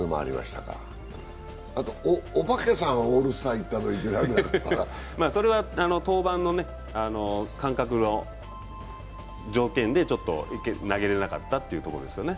あとお化けさん、オールスターに行ったらそれは登板の間隔で、条件で、投げれなかったということですよね。